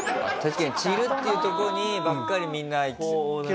確かに散るっていうとこにばっかりみんな。